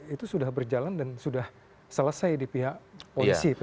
itu sudah berjalan dan sudah selesai di pihak polisi